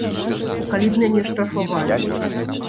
Калі б мяне штрафавалі?